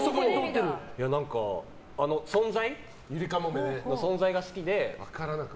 あの存在が好きで。